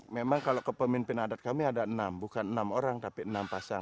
memang kalau ke pemimpin adat kami ada enam bukan enam orang tapi enam pasang